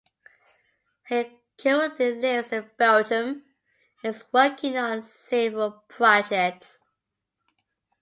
He currently lives in Belgium and is working on several projects.